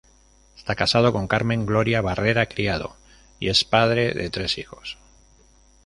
Está casado con Carmen Gloria Barrera Criado y es padre de tres hijos.